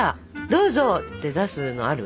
どうぞって出すのある？